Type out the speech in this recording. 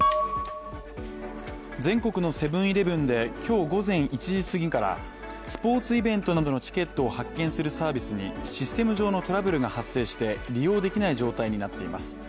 全国のセブン−イレブンで今日午前１時過ぎからスポーツイベントなどのチケットを発券するサービスにシステム上のトラブルが発生して利用できない状態になっています。